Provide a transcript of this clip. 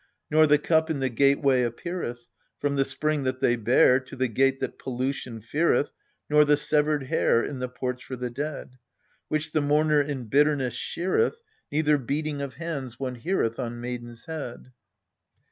Nor the cup in the gateway appeareth, From the spring that they bear To the gate that pollution feareth, Nor the severed hair In the porch for the dead, Which the mourner in bitterness sheareth, neither beating of hands one heareth On maiden's head.